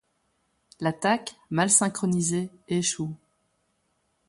L’attaque, mal synchronisée, échoue.